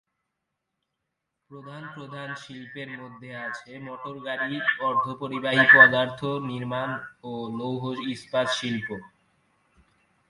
প্রধান প্রধান শিল্পের মধ্যে আছে মোটরগাড়ি, অর্ধপরিবাহী পদার্থ নির্মাণ ও লৌহ-ইস্পাত শিল্প।